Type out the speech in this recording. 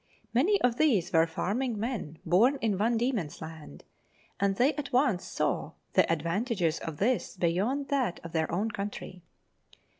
Many of these were farming men born in Van Diemen's Land, and they at once saw the advantages of this beyond that of their own country.